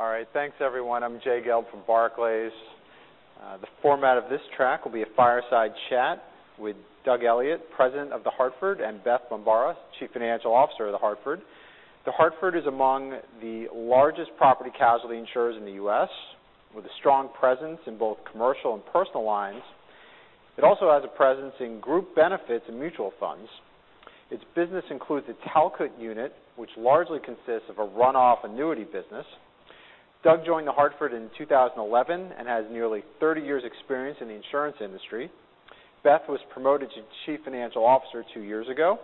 All right. Thanks, everyone. I'm Jay Gelb from Barclays. The format of this track will be a fireside chat with Doug Elliot, President of The Hartford, and Beth Bombara, Chief Financial Officer of The Hartford. The Hartford is among the largest property casualty insurers in the U.S., with a strong presence in both commercial and personal lines. It also has a presence in group benefits and mutual funds. Its business includes a Talcott unit, which largely consists of a runoff annuity business. Doug joined The Hartford in 2011 and has nearly 30 years experience in the insurance industry. Beth was promoted to Chief Financial Officer two years ago.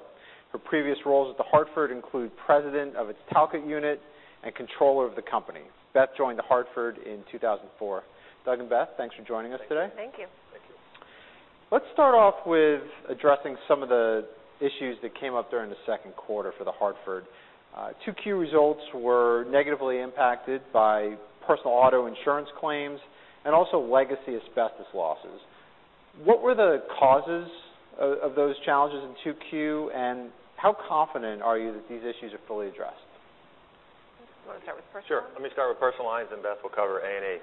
Her previous roles at The Hartford include President of its Talcott unit and controller of the company. Beth joined The Hartford in 2004. Doug and Beth, thanks for joining us today. Thank you. Thank you. Let's start off with addressing some of the issues that came up during the second quarter for The Hartford. 2Q results were negatively impacted by personal auto insurance claims and also legacy asbestos losses. What were the causes of those challenges in 2Q, and how confident are you that these issues are fully addressed? You want to start with personal? Sure. Let me start with personal lines. Beth will cover A&A.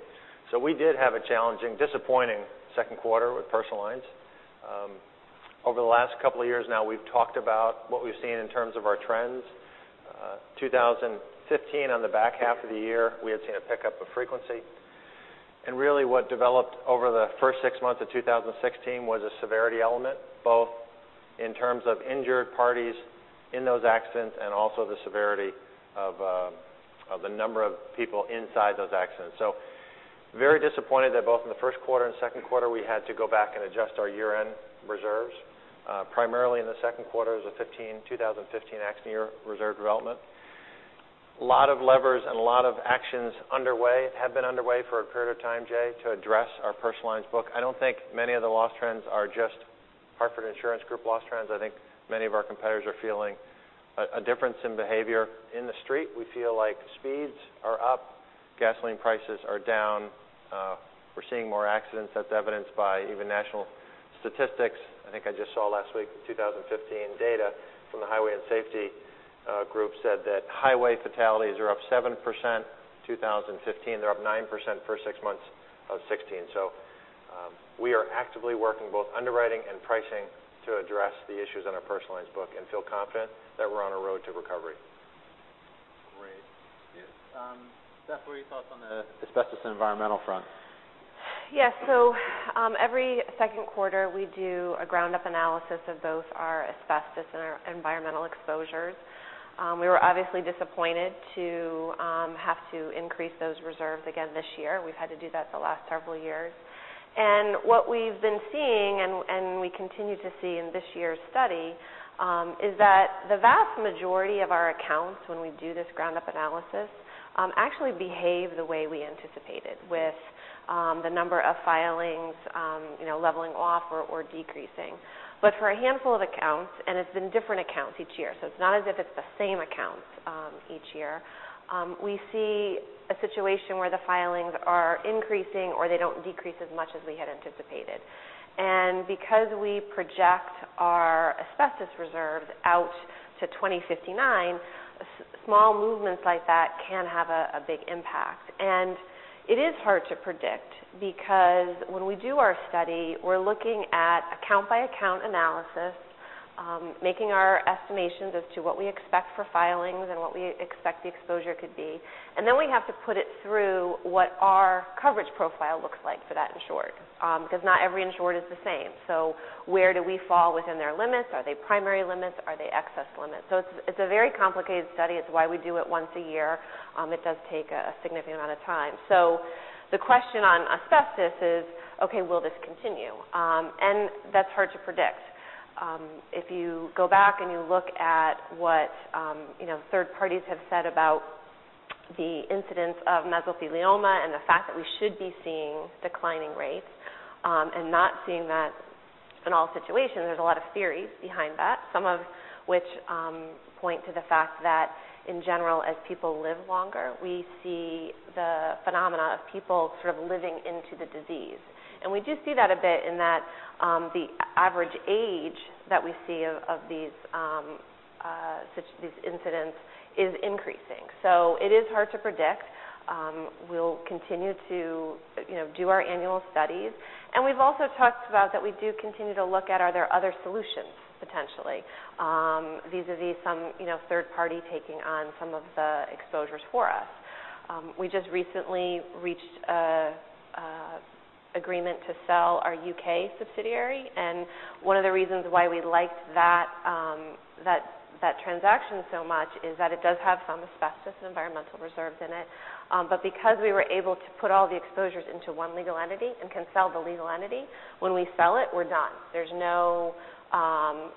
We did have a challenging, disappointing second quarter with personal lines. Over the last couple of years now, we've talked about what we've seen in terms of our trends. 2015, on the back half of the year, we had seen a pickup of frequency. Really what developed over the first six months of 2016 was a severity element, both in terms of injured parties in those accidents and also the severity of the number of people inside those accidents. Very disappointed that both in the first quarter and second quarter, we had to go back and adjust our year-end reserves. Primarily in the second quarter, it was a 2015 accident year reserve development. A lot of levers and a lot of actions have been underway for a period of time, Jay, to address our personal lines book. I don't think many of the loss trends are just Hartford Insurance Group loss trends. I think many of our competitors are feeling a difference in behavior in the street. We feel like speeds are up, gasoline prices are down. We're seeing more accidents. That's evidenced by even national statistics. I think I just saw last week, the 2015 data from the highway and safety group said that highway fatalities are up 7% 2015. They're up 9% for six months of 2016. We are actively working both underwriting and pricing to address the issues in our personal lines book and feel confident that we're on a road to recovery. Great. Beth, what are your thoughts on the asbestos environmental front? Yes. Every second quarter, we do a ground-up analysis of both our asbestos and our environmental exposures. We were obviously disappointed to have to increase those reserves again this year. We've had to do that the last several years. What we've been seeing, and we continue to see in this year's study, is that the vast majority of our accounts when we do this ground-up analysis actually behave the way we anticipated with the number of filings leveling off or decreasing. For a handful of accounts, and it's been different accounts each year, so it's not as if it's the same accounts each year. We see a situation where the filings are increasing, or they don't decrease as much as we had anticipated. Because we project our asbestos reserves out to 2059, small movements like that can have a big impact. It is hard to predict because when we do our study, we're looking at account-by-account analysis, making our estimations as to what we expect for filings and what we expect the exposure could be. Then we have to put it through what our coverage profile looks like for that insured because not every insured is the same. Where do we fall within their limits? Are they primary limits? Are they excess limits? It's a very complicated study. It's why we do it once a year. It does take a significant amount of time. The question on asbestos is, okay, will this continue? That's hard to predict. If you go back and you look at what third parties have said about the incidence of mesothelioma and the fact that we should be seeing declining rates and not seeing that in all situations, there's a lot of theories behind that, some of which point to the fact that in general, as people live longer, we see the phenomena of people sort of living into the disease. We do see that a bit in that the average age that we see of these incidents is increasing. It is hard to predict. We'll continue to do our annual studies, and we've also talked about that we do continue to look at are there other solutions potentially. Vis-a-vis some third party taking on some of the exposures for us. We just recently reached an agreement to sell our U.K. subsidiary, and one of the reasons why we liked that transaction so much is that it does have some asbestos and environmental reserves in it. Because we were able to put all the exposures into one legal entity and can sell the legal entity, when we sell it, we're done. There's no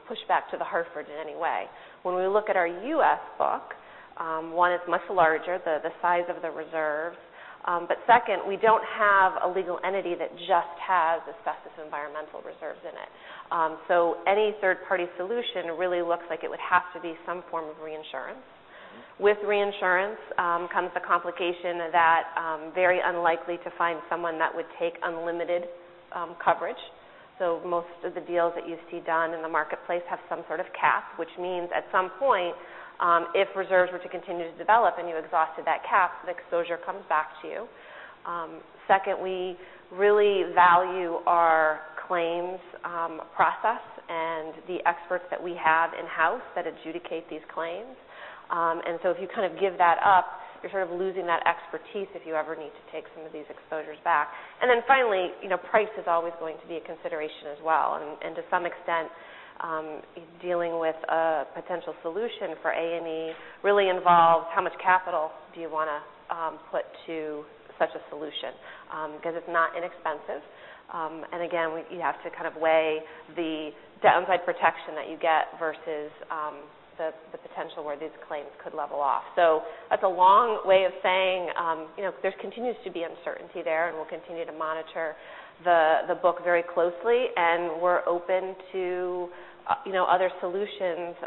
pushback to The Hartford in any way. When we look at our U.S. book, one, it's much larger, the size of the reserve. Second, we don't have a legal entity that just has asbestos environmental reserves in it. Any third-party solution really looks like it would have to be some form of reinsurance. With reinsurance comes the complication that very unlikely to find someone that would take unlimited coverage. Most of the deals that you see done in the marketplace have some sort of cap, which means at some point, if reserves were to continue to develop and you exhausted that cap, the exposure comes back to you. Second, we really value our claims process and the experts that we have in-house that adjudicate these claims. If you give that up, you're sort of losing that expertise if you ever need to take some of these exposures back. Finally, price is always going to be a consideration as well. To some extent, dealing with a potential solution for A&E really involves how much capital do you want to put to such a solution, because it's not inexpensive. Again, you have to kind of weigh the downside protection that you get versus the potential where these claims could level off. That's a long way of saying there continues to be uncertainty there, and we'll continue to monitor the book very closely, and we're open to other solutions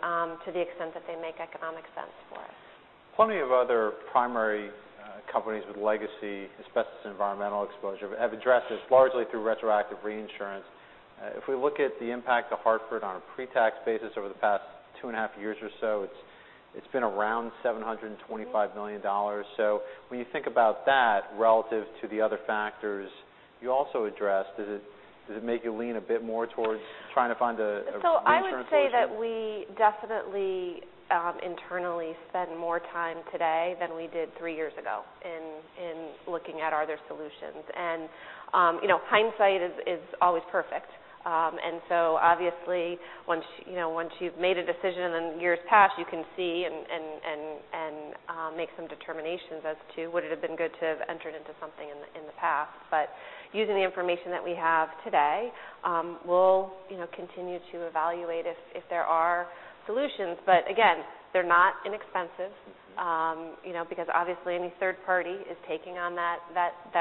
to the extent that they make economic sense for us. Plenty of other primary companies with legacy asbestos environmental exposure have addressed this largely through retroactive reinsurance. If we look at the impact of The Hartford on a pre-tax basis over the past two and a half years or so, it's been around $725 million. When you think about that relative to the other factors you also addressed, does it make you lean a bit more towards trying to find a reinsurance solution? I would say that we definitely internally spend more time today than we did three years ago in looking at other solutions. Hindsight is always perfect. Obviously once you've made a decision in years past, you can see and make some determinations as to would it have been good to have entered into something in the past. Using the information that we have today, we'll continue to evaluate if there are solutions. Again, they're not inexpensive because obviously any third party is taking on that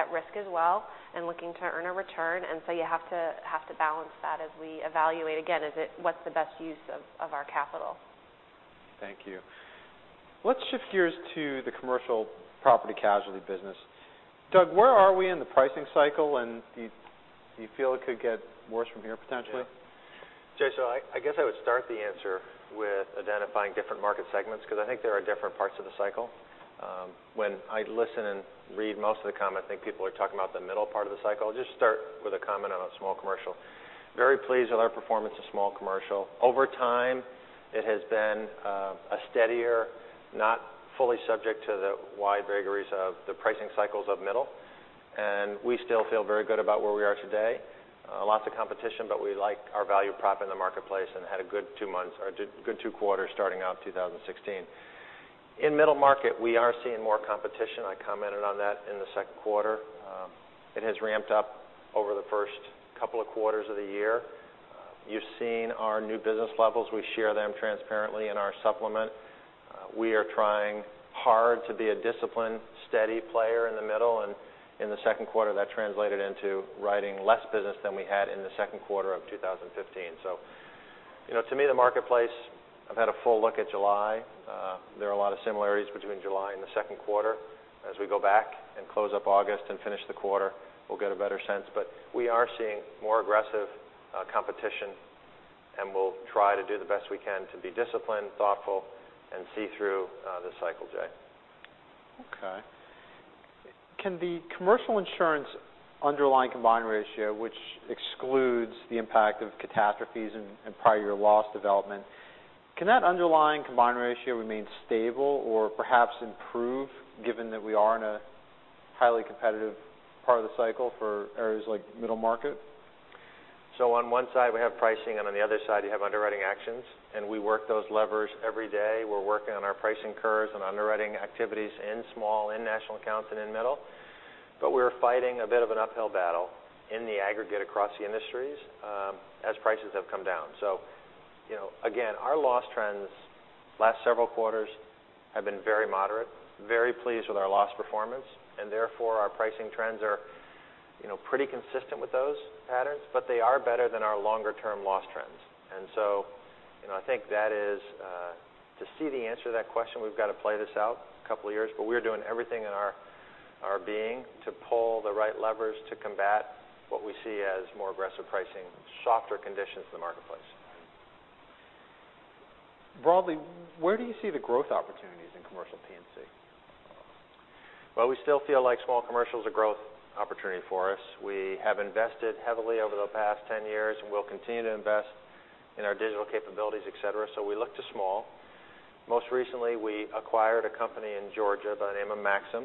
risk as well and looking to earn a return. You have to balance that as we evaluate, again, what's the best use of our capital. Thank you. Let's shift gears to the commercial property casualty business. Doug, where are we in the pricing cycle, and do you feel it could get worse from here potentially? Jay, I guess I would start the answer with identifying different market segments because I think there are different parts of the cycle. When I listen and read most of the comment, I think people are talking about the middle part of the cycle. I'll just start with a comment on small commercial. Very pleased with our performance in small commercial. Over time, it has been a steadier, not fully subject to the wide vagaries of the pricing cycles of middle, and we still feel very good about where we are today. Lots of competition, but we like our value prop in the marketplace and had a good two quarters starting out 2016. In middle market, we are seeing more competition. I commented on that in the second quarter. It has ramped up over the first couple of quarters of the year. You've seen our new business levels. We share them transparently in our supplement. We are trying hard to be a disciplined, steady player in the middle, and in the second quarter, that translated into writing less business than we had in the second quarter of 2015. To me, the marketplace, I've had a full look at July. There are a lot of similarities between July and the second quarter. As we go back and close up August and finish the quarter, we'll get a better sense. We are seeing more aggressive competition, and we'll try to do the best we can to be disciplined, thoughtful, and see through the cycle, Jay. Okay. Can the commercial insurance underlying combined ratio, which excludes the impact of catastrophes and prior year loss development, can that underlying combined ratio remain stable or perhaps improve given that we are in a highly competitive part of the cycle for areas like middle market? On one side, we have pricing, on the other side, you have underwriting actions. We work those levers every day. We're working on our pricing curves and underwriting activities in small, in national accounts, and in middle. We're fighting a bit of an uphill battle in the aggregate across the industries as prices have come down. Again, our loss trends last several quarters have been very moderate, very pleased with our loss performance. Therefore our pricing trends are pretty consistent with those patterns. They are better than our longer-term loss trends. I think that is to see the answer to that question, we've got to play this out a couple of years. We are doing everything in our being to pull the right levers to combat what we see as more aggressive pricing, softer conditions in the marketplace. Broadly, where do you see the growth opportunities in commercial P&C? We still feel like small commercial is a growth opportunity for us. We have invested heavily over the past 10 years. We'll continue to invest in our digital capabilities, et cetera. We look to small. Most recently, we acquired a company in Georgia by the name of Maxum.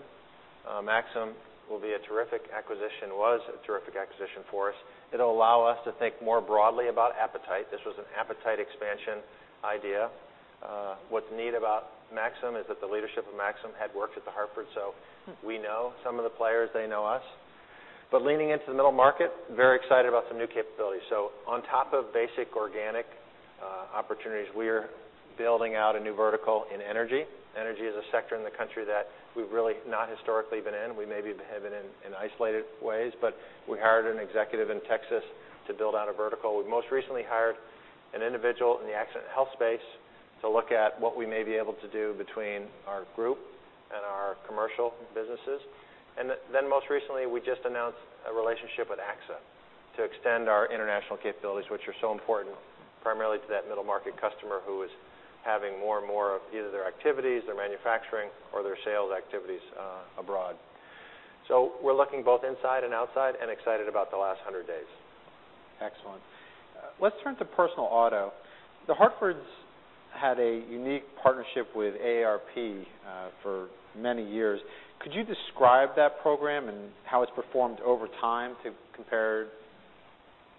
Maxum will be a terrific acquisition, was a terrific acquisition for us. It'll allow us to think more broadly about appetite. This was an appetite expansion idea. What's neat about Maxum is that the leadership of Maxum had worked at The Hartford, so we know some of the players, they know us. Leaning into the middle market, very excited about some new capabilities. On top of basic organic opportunities, we're building out a new vertical in energy. Energy is a sector in the country that we've really not historically been in. We maybe have been in isolated ways. We hired an executive in Texas to build out a vertical. We most recently hired an individual in the accident and health space to look at what we may be able to do between our group and our commercial businesses. Most recently, we just announced a relationship with AXA to extend our international capabilities, which are so important primarily to that middle-market customer who is having more and more of either their activities, their manufacturing, or their sales activities abroad. We're looking both inside and outside and excited about the last 100 days. Excellent. Let's turn to personal auto. The Hartford's had a unique partnership with AARP for many years. Could you describe that program and how it's performed over time to compare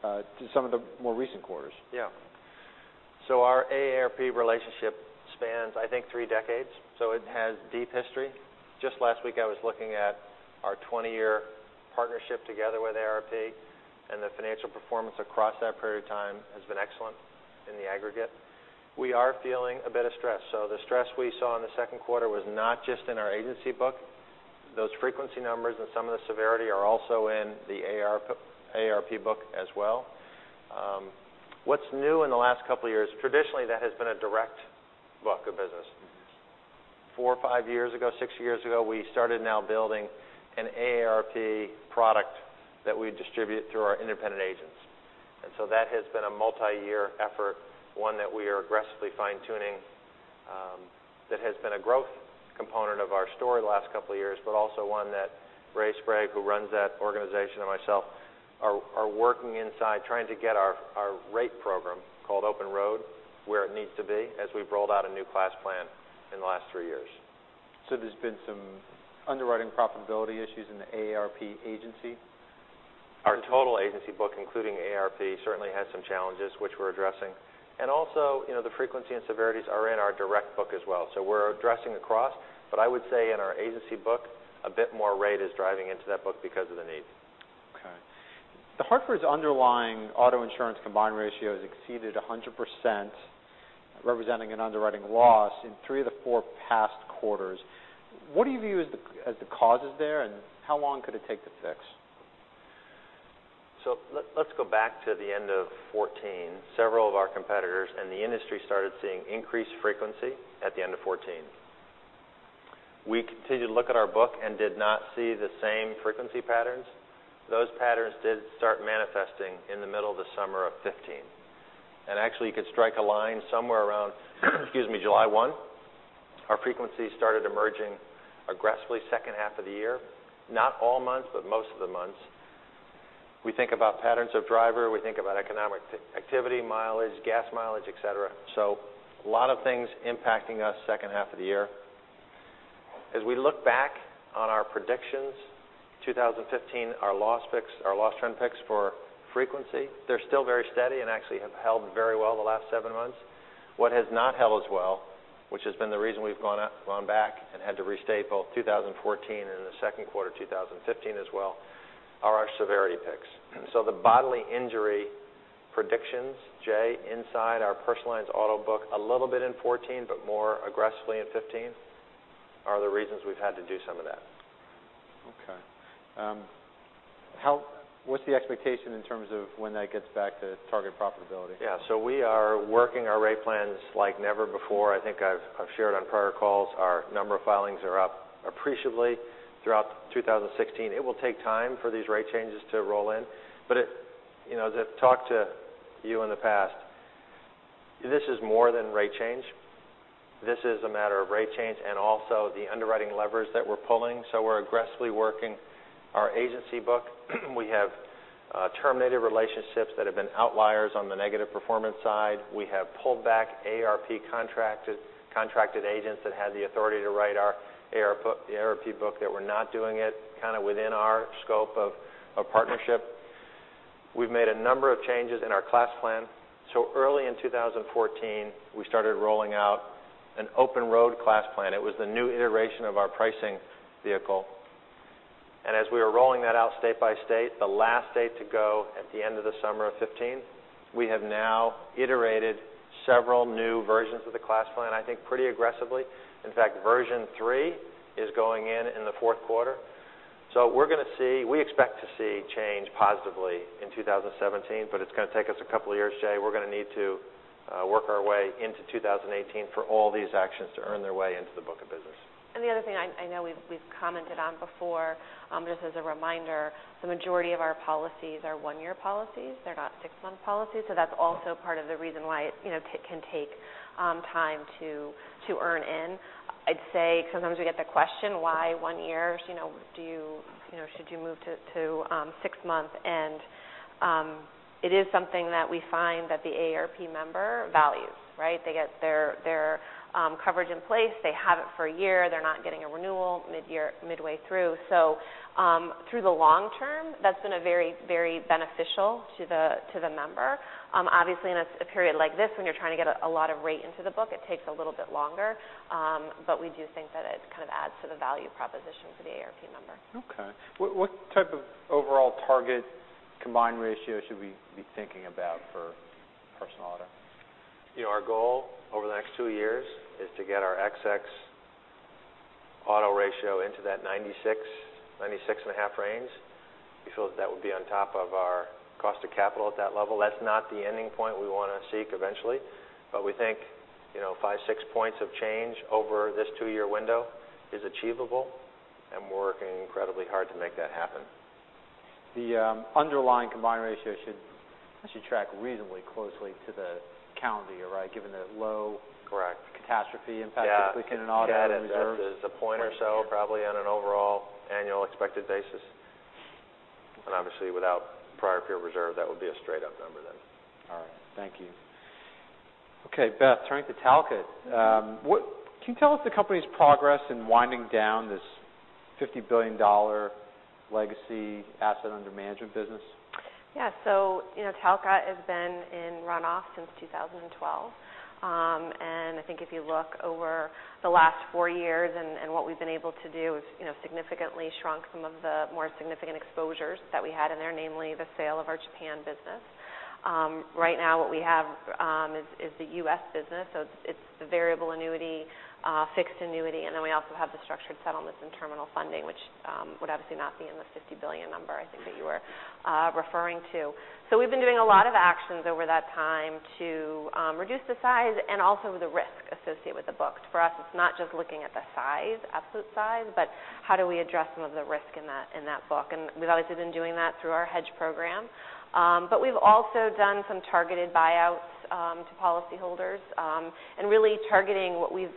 to some of the more recent quarters? Yeah. Our AARP relationship spans, I think, three decades. It has deep history. Just last week, I was looking at our 20-year partnership together with AARP, the financial performance across that period of time has been excellent in the aggregate. We are feeling a bit of stress. The stress we saw in the second quarter was not just in our agency book. Those frequency numbers and some of the severity are also in the AARP book as well. What's new in the last couple of years, traditionally, that has been a direct book of business. Four or five years ago, six years ago, we started now building an AARP product that we distribute through our independent agents. That has been a multi-year effort, one that we are aggressively fine-tuning, that has been a growth component of our story the last couple of years, but also one that Ray Sprague, who runs that organization, and myself are working inside trying to get our rate program, called Open Road, where it needs to be as we've rolled out a new class plan in the last three years. There's been some underwriting profitability issues in the AARP agency? Our total agency book, including AARP, certainly has some challenges, which we're addressing. Also, the frequency and severities are in our direct book as well. We're addressing across, but I would say in our agency book, a bit more rate is driving into that book because of the need. Okay. The Hartford's underlying auto insurance combined ratio has exceeded 100%, representing an underwriting loss in three of the four past quarters. What do you view as the causes there, and how long could it take to fix? Let's go back to the end of 2014. Several of our competitors and the industry started seeing increased frequency at the end of 2014. We continued to look at our book and did not see the same frequency patterns. Those patterns did start manifesting in the middle of the summer of 2015. Actually, you could strike a line somewhere around July 1. Our frequency started emerging aggressively second half of the year, not all months, but most of the months. We think about patterns of driver. We think about economic activity, mileage, gas mileage, et cetera. A lot of things impacting us second half of the year. As we look back on our predictions, 2015, our loss picks, our loss trend picks for frequency, they're still very steady and actually have held very well the last seven months. What has not held as well, which has been the reason we've gone back and had to restate both 2014 and in the second quarter 2015 as well, are our severity picks. The bodily injury predictions, Jay, inside our personal lines auto book, a little bit in 2014, but more aggressively in 2015, are the reasons we've had to do some of that. Okay. What's the expectation in terms of when that gets back to target profitability? We are working our rate plans like never before. I think I've shared on prior calls, our number of filings are up appreciably throughout 2016. It will take time for these rate changes to roll in, to talk to you in the past, this is more than rate change. This is a matter of rate change and also the underwriting levers that we're pulling. We're aggressively working our agency book. We have terminated relationships that have been outliers on the negative performance side. We have pulled back AARP contracted agents that had the authority to write our AARP book that were not doing it within our scope of partnership. We've made a number of changes in our class plan. Early in 2014, we started rolling out an Open Road class plan. It was the new iteration of our pricing vehicle. As we were rolling that out state by state, the last state to go at the end of the summer of 2015, we have now iterated several new versions of the class plan, I think, pretty aggressively. In fact, version three is going in in the fourth quarter. We expect to see change positively in 2017, but it's going to take us a couple of years, Jay. We're going to need to work our way into 2018 for all these actions to earn their way into the book of business. The other thing I know we've commented on before, just as a reminder, the majority of our policies are one-year policies. They're not six-month policies. That's also part of the reason why it can take time to earn in. I'd say sometimes we get the question, why one year? Should you move to six months? It is something that we find that the AARP member values, right? They get their coverage in place. They have it for a year. They're not getting a renewal midway through. Through the long term, that's been very beneficial to the member. Obviously, in a period like this, when you're trying to get a lot of rate into the book, it takes a little bit longer. We do think that it kind of adds to the value proposition for the AARP member. Okay. What type of overall target combined ratio should we be thinking about for personal auto? Our goal over the next two years is to get our ex-cat auto ratio into that 96%-96.5% range. We feel that that would be on top of our cost of capital at that level. That's not the ending point we want to seek eventually, but we think five, six points of change over this two-year window is achievable, and we're working incredibly hard to make that happen. The underlying combined ratio should track reasonably closely to the calendar year, right? Given the low- Correct catastrophe impact- Yeah I think in an auto reserve. That is a point or so probably on an overall annual expected basis. Obviously without prior period reserve, that would be a straight up number then. All right. Thank you. Okay, Beth Bombara, turning to Talcott. Can you tell us the company's progress in winding down this $50 billion legacy asset under management business? Yeah. Talcott has been in runoff since 2012. I think if you look over the last four years and what we've been able to do is significantly shrunk some of the more significant exposures that we had in there, namely the sale of our Japan business. Right now what we have is the U.S. business. It's the variable annuity, fixed annuity, and then we also have the structured settlements and terminal funding, which would obviously not be in the $50 billion number I think that you were referring to. We've been doing a lot of actions over that time to reduce the size and also the risk associated with the books. For us, it's not just looking at the absolute size, but how do we address some of the risk in that book. We've obviously been doing that through our hedge program. We've also done some targeted buyouts, to policyholders, really targeting what we've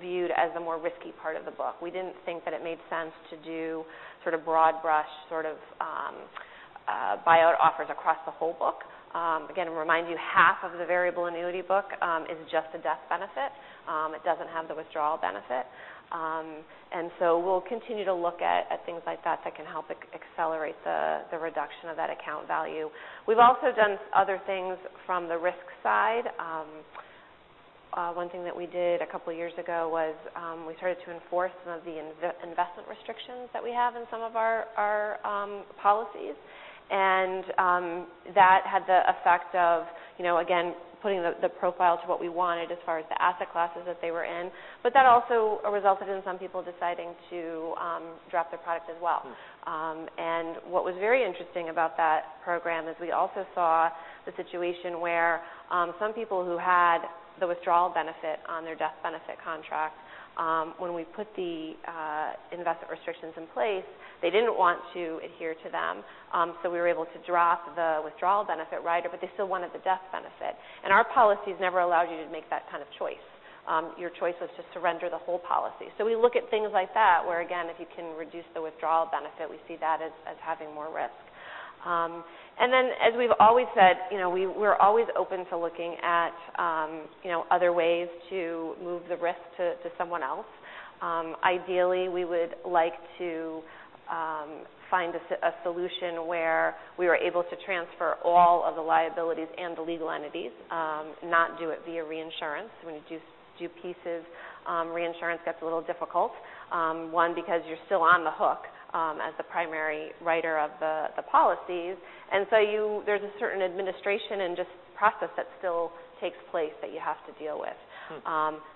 viewed as the more risky part of the book. We didn't think that it made sense to do sort of broad brush buyout offers across the whole book. Again, to remind you, half of the variable annuity book is just a death benefit. It doesn't have the withdrawal benefit. We'll continue to look at things like that that can help accelerate the reduction of that account value. We've also done other things from the risk side. One thing that we did a couple of years ago was we started to enforce some of the investment restrictions that we have in some of our policies. That had the effect of, again, putting the profile to what we wanted as far as the asset classes that they were in. That also resulted in some people deciding to drop their product as well. What was very interesting about that program is we also saw the situation where some people who had the withdrawal benefit on their death benefit contract, when we put the investment restrictions in place, they didn't want to adhere to them. We were able to drop the withdrawal benefit rider, they still wanted the death benefit. Our policies never allowed you to make that kind of choice. Your choice was to surrender the whole policy. We look at things like that, where, again, if you can reduce the withdrawal benefit, we see that as having more risk. As we've always said, we're always open to looking at other ways to move the risk to someone else. Ideally, we would like to find a solution where we are able to transfer all of the liabilities and the legal entities, not do it via reinsurance. When you do pieces, reinsurance gets a little difficult. One, because you're still on the hook as the primary writer of the policies. There's a certain administration and just process that still takes place that you have to deal with.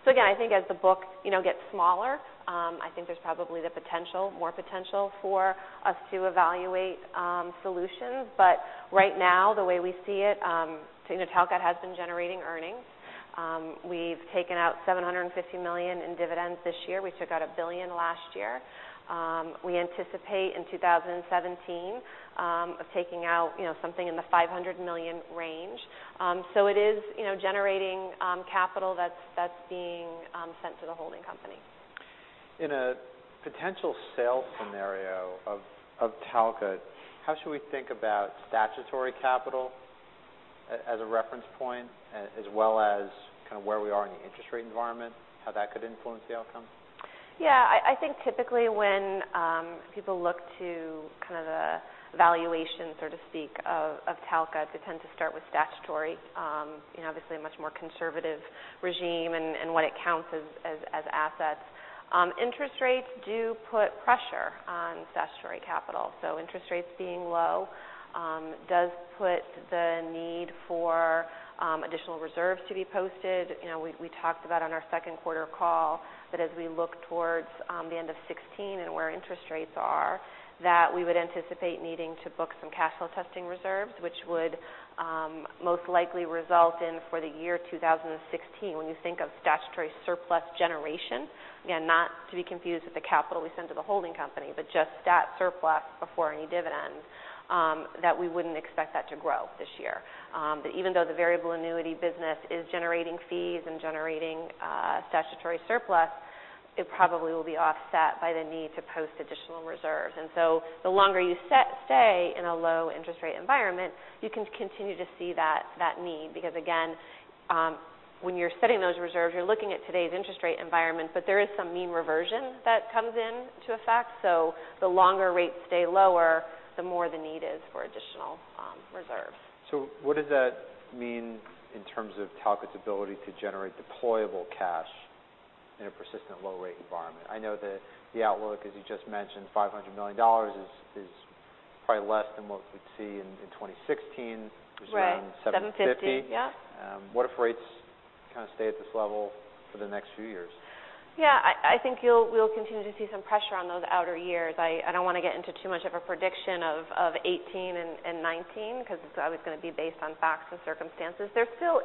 Again, I think as the book gets smaller, I think there's probably more potential for us to evaluate solutions. Right now, the way we see it, Talcott has been generating earnings. We've taken out $750 million in dividends this year. We took out $1 billion last year. We anticipate in 2017 of taking out something in the $500 million range. It is generating capital that's being sent to the holding company. In a potential sales scenario of Talcott, how should we think about statutory capital as a reference point, as well as kind of where we are in the interest rate environment, how that could influence the outcome? Yeah. I think typically when people look to kind of the valuation, so to speak, of Talcott, they tend to start with statutory. Obviously, a much more conservative regime in what it counts as assets. Interest rates do put pressure on statutory capital. Interest rates being low does put the need for additional reserves to be posted. We talked about on our second quarter call that as we look towards the end of 2016 and where interest rates are, that we would anticipate needing to book some capital testing reserves, which would most likely result in, for the year 2016, when you think of statutory surplus generation, again, not to be confused with the capital we send to the holding company, but just stat surplus before any dividends, that we wouldn't expect that to grow this year. That even though the variable annuity business is generating fees and generating statutory surplus, it probably will be offset by the need to post additional reserves. The longer you stay in a low interest rate environment, you can continue to see that need. Again, when you're setting those reserves, you're looking at today's interest rate environment, but there is some mean reversion that comes into effect. The longer rates stay lower, the more the need is for additional reserves. What does that mean in terms of Talcott's ability to generate deployable cash in a persistent low rate environment? I know that the outlook, as you just mentioned, $500 million is probably less than what we'd see in 2016. Right Which is around $750 million. $750 million. Yeah. What if rates kind of stay at this level for the next few years? Yeah. I think we'll continue to see some pressure on those outer years. I don't want to get into too much of a prediction of 2018 and 2019 because it's always going to be based on facts and circumstances. There still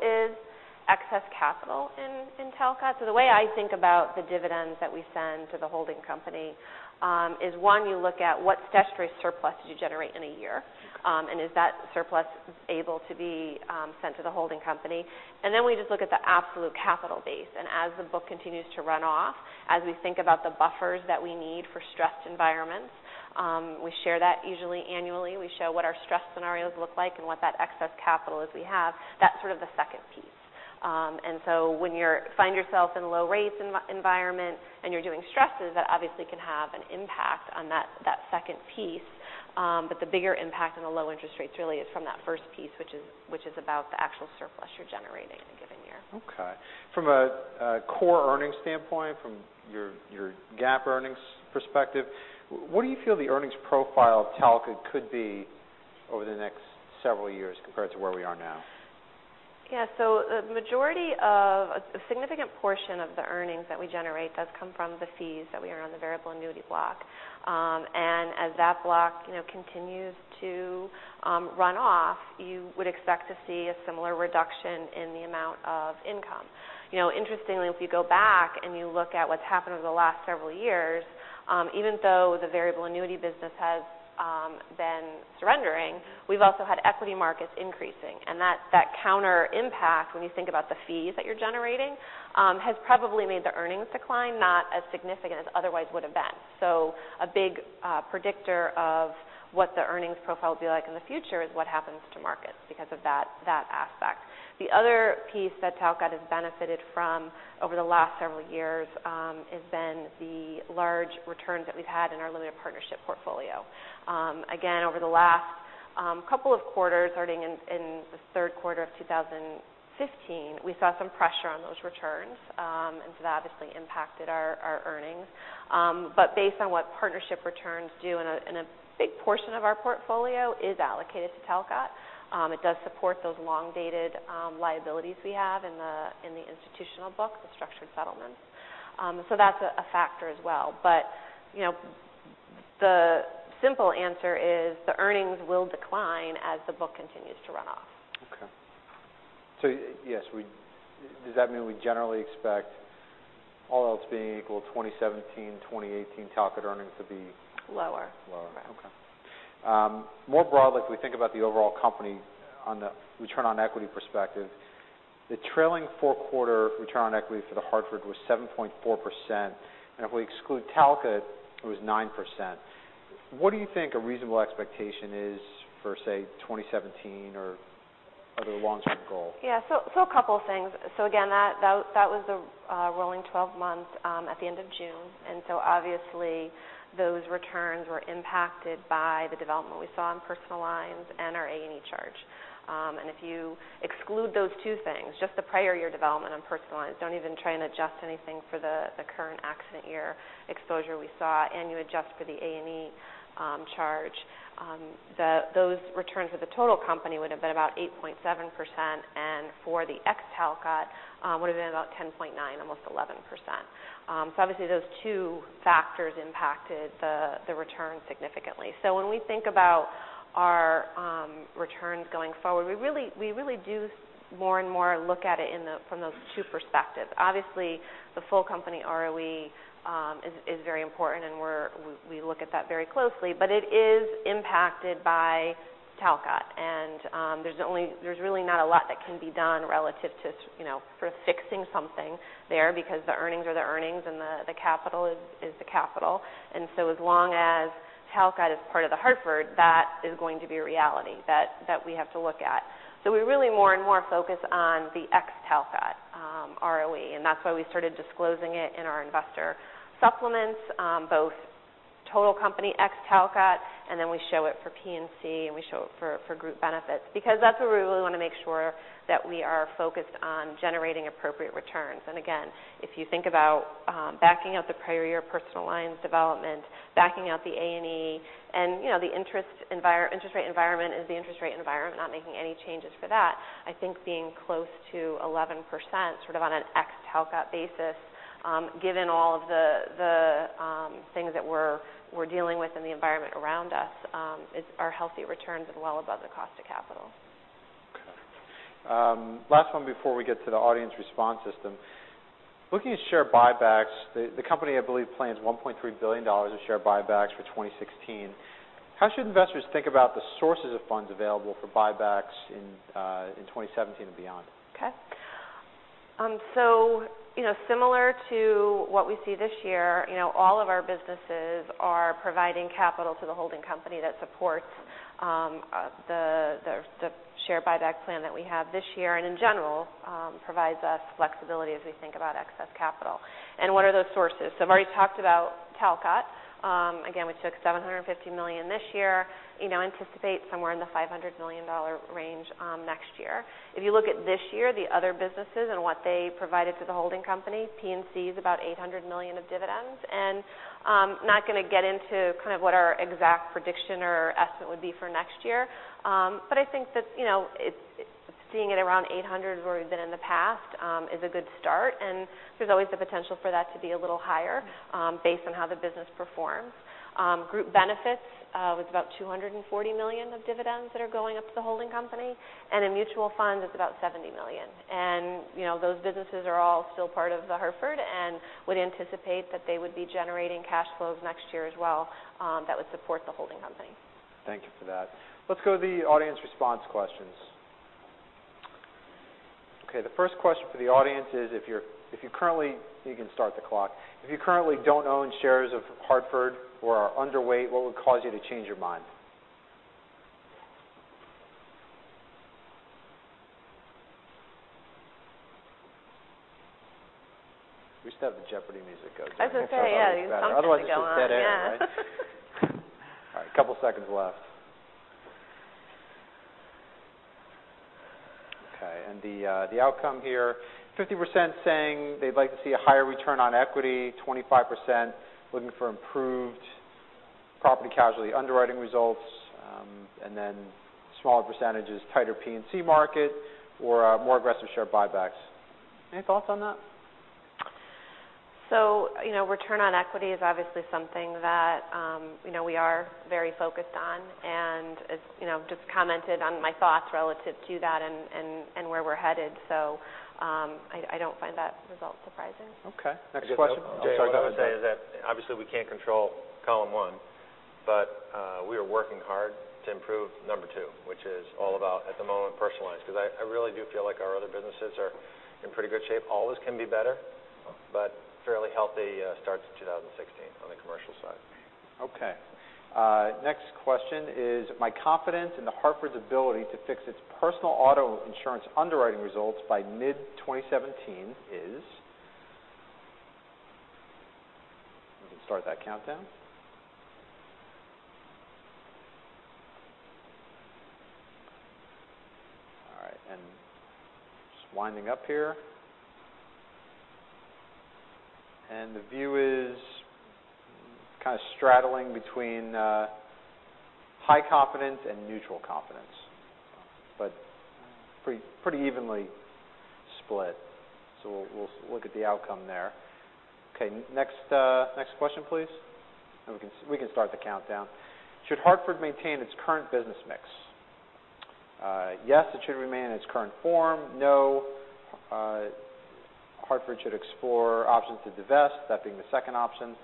is excess capital in Talcott. The way I think about the dividends that we send to the holding company is, one, you look at what statutory surplus did you generate in a year. Is that surplus able to be sent to the holding company? Then we just look at the absolute capital base, and as the book continues to run off, as we think about the buffers that we need for stressed environments, we share that usually annually. We show what our stress scenarios look like and what that excess capital is we have. That's sort of the second piece. When you find yourself in a low-rate environment and you're doing stresses, that obviously can have an impact on that second piece. The bigger impact on the low interest rates really is from that first piece, which is about the actual surplus you're generating in a given year. Okay. From a core earnings standpoint, from your GAAP earnings perspective, what do you feel the earnings profile of Talcott could be over the next several years compared to where we are now? Yeah. A significant portion of the earnings that we generate does come from the fees that we earn on the variable annuity block. As that block continues to run off, you would expect to see a similar reduction in the amount of income. Interestingly, if you go back and you look at what's happened over the last several years, even though the variable annuity business has been surrendering, we've also had equity markets increasing. That counter impact, when you think about the fees that you're generating, has probably made the earnings decline not as significant as otherwise would have been. A big predictor of what the earnings profile will be like in the future is what happens to markets because of that aspect. The other piece that Talcott has benefited from over the last several years has been the large returns that we've had in our limited partnership portfolio. Over the last couple of quarters, starting in the third quarter of 2015, we saw some pressure on those returns, and so that obviously impacted our earnings. Based on what partnership returns do, and a big portion of our portfolio is allocated to Talcott, it does support those long-dated liabilities we have in the institutional book, the structured settlements. That's a factor as well. The simple answer is the earnings will decline as the book continues to run off. Okay. Does that mean we generally expect, all else being equal, 2017, 2018 Talcott earnings to be lower? Lower Okay. More broadly, if we think about the overall company on the return on equity perspective, the trailing four-quarter return on equity for The Hartford was 7.4%, and if we exclude Talcott, it was 9%. What do you think a reasonable expectation is for, say, 2017 or the long-term goal? Yeah. A couple of things. Again, that was a rolling 12 months at the end of June. Obviously, those returns were impacted by the development we saw in personal lines and our A&E charge. If you exclude those two things, just the prior year development on personal lines, don't even try and adjust anything for the current accident year exposure we saw, and you adjust for the A&E charge, those returns for the total company would've been about 8.7%, and for the ex Talcott would've been about 10.9, almost 11%. Obviously those two factors impacted the return significantly. When we think about our returns going forward, we really do more and more look at it from those two perspectives. Obviously, the full company ROE is very important and we look at that very closely, but it is impacted by Talcott. There's really not a lot that can be done relative to fixing something there because the earnings are the earnings, and the capital is the capital. As long as Talcott is part of The Hartford, that is going to be a reality that we have to look at. We really more and more focus on the ex Talcott ROE, and that's why we started disclosing it in our investor supplements, both total company ex Talcott, and then we show it for P&C, and we show it for group benefits. That's where we really want to make sure that we are focused on generating appropriate returns. Again, if you think about backing out the prior year personal lines development, backing out the A&E, and the interest rate environment is the interest rate environment, not making any changes for that, I think being close to 11%, sort of on an ex Talcott basis, given all of the things that we're dealing with in the environment around us, are healthy returns and well above the cost of capital. Okay. Last one before we get to the audience response system. Looking at share buybacks, the company, I believe, plans $1.3 billion of share buybacks for 2016. How should investors think about the sources of funds available for buybacks in 2017 and beyond? Okay. Similar to what we see this year, all of our businesses are providing capital to the holding company that supports the share buyback plan that we have this year and in general provides us flexibility as we think about excess capital. What are those sources? I've already talked about Talcott. Again, we took $750 million this year. Anticipate somewhere in the $500 million range next year. If you look at this year, the other businesses and what they provided to the holding company, P&C is about $800 million of dividends. I'm not going to get into kind of what our exact prediction or estimate would be for next year. I think that seeing it around $800 million, where we've been in the past, is a good start, and there's always the potential for that to be a little higher based on how the business performs. Group benefits was about $240 million of dividends that are going up to the holding company, and in mutual funds, it's about $70 million. Those businesses are all still part of The Hartford and would anticipate that they would be generating cash flows next year as well that would support the holding company. Thank you for that. Let's go to the audience response questions. Okay, the first question for the audience is, you can start the clock, if you currently don't own shares of The Hartford or are underweight, what would cause you to change your mind? We still have the Jeopardy music going. I was going to say, yeah. There's something going. Otherwise it's just dead air, right? Yeah. All right. A couple seconds left. Okay. The outcome here, 50% saying they'd like to see a higher return on equity, 25% looking for improved property casualty underwriting results, and then smaller percentages, tighter P&C market or more aggressive share buybacks. Any thoughts on that? Return on equity is obviously something that we are very focused on, and I just commented on my thoughts relative to that and where we're headed. I don't find that result surprising. Okay. Next question. Oh, sorry, go ahead. The only thing I would say is that obviously we can't control column one, but we are working hard to improve number 2, which is all about, at the moment, personal lines, because I really do feel like our other businesses are in pretty good shape. Always can be better, but fairly healthy start to 2016 on the commercial side. Okay. Next question is, my confidence in The Hartford's ability to fix its personal auto insurance underwriting results by mid-2017 is You can start that countdown. All right. Just winding up here. The view is kind of straddling between high confidence and neutral confidence, but pretty evenly split. We'll look at the outcome there. Okay, next question, please. We can start the countdown. Should Hartford maintain its current business mix? Yes, it should remain in its current form. No, Hartford should explore options to divest, that being the second option.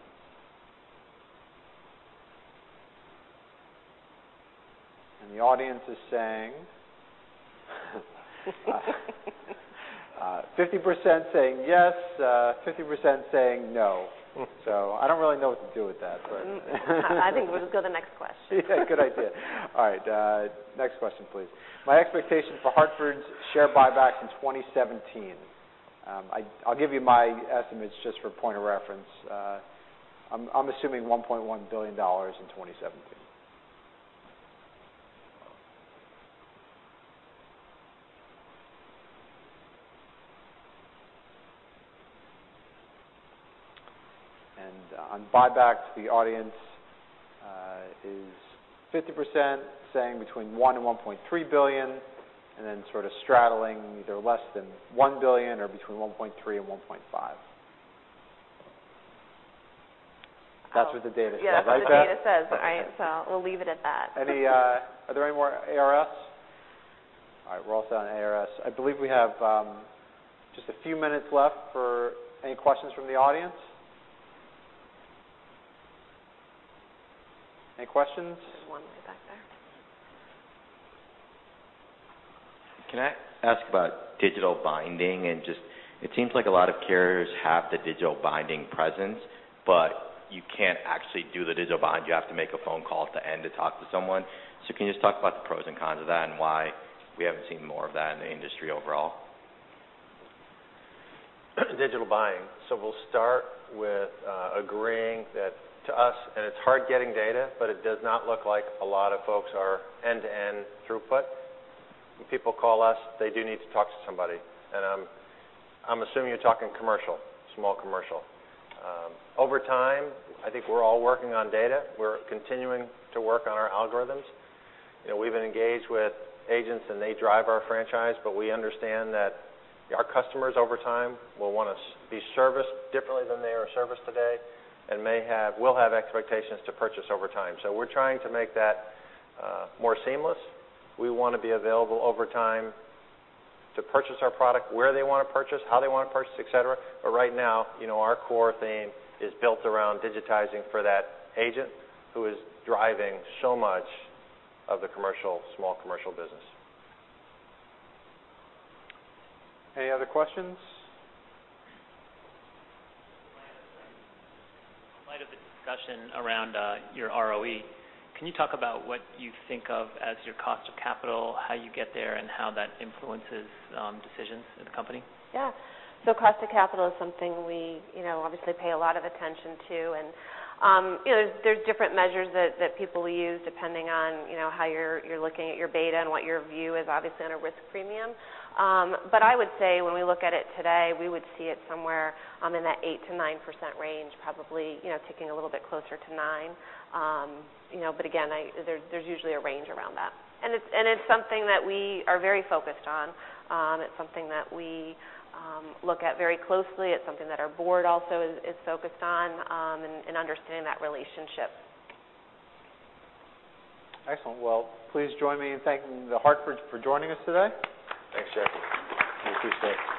The audience is saying 50% saying yes, 50% saying no. I don't really know what to do with that, but I think we'll just go to the next question. Good idea. All right, next question, please. My expectation for Hartford's share buybacks in 2017. I'll give you my estimates just for point of reference. I'm assuming $1.1 billion in 2017. On buybacks, the audience is 50% saying between $1 billion and $1.3 billion, then sort of straddling either less than $1 billion or between $1.3 billion and $1.5 billion. That's what the data says. Yeah, that's what the data says. You like that? All right. We'll leave it at that. Are there any more ARS? All right. We're all set on ARS. I believe we have just a few minutes left for any questions from the audience. Any questions? There's one way back there. Can I ask about digital binding? Just, it seems like a lot of carriers have the digital binding presence, but you can't actually do the digital bind. You have to make a phone call at the end to talk to someone. Can you just talk about the pros and cons of that and why we haven't seen more of that in the industry overall? Digital buying. We'll start with agreeing that to us, it's hard getting data, but it does not look like a lot of folks are end-to-end throughput. When people call us, they do need to talk to somebody. I'm assuming you're talking commercial, Small Commercial. Over time, I think we're all working on data. We're continuing to work on our algorithms. We've been engaged with agents and they drive our franchise, we understand that our customers over time will want to be serviced differently than they are serviced today and will have expectations to purchase over time. We're trying to make that more seamless. We want to be available over time to purchase our product where they want to purchase, how they want to purchase, et cetera. Right now, our core theme is built around digitizing for that agent who is driving so much of the Small Commercial business. Any other questions? In light of the discussion around your ROE, can you talk about what you think of as your cost of capital, how you get there, and how that influences decisions at the company? Yeah. Cost of capital is something we obviously pay a lot of attention to. There's different measures that people use depending on how you're looking at your beta and what your view is, obviously, on a risk premium. I would say when we look at it today, we would see it somewhere in that 8%-9% range, probably ticking a little bit closer to nine. Again, there's usually a range around that. It's something that we are very focused on. It's something that we look at very closely. It's something that our board also is focused on in understanding that relationship. Excellent. Well, please join me in thanking The Hartford for joining us today. Thanks, Jay. We appreciate it. Thanks.